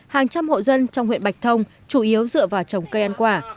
hàng trăm hộ dân trong huyện bạch thông chủ yếu dựa vào trồng cây ăn quả